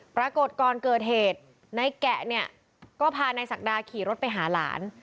ปรากฏก่อนเกิดเหตุนายแกะเนี่ยก็พานายศักดาขี่รถไปหาหลาน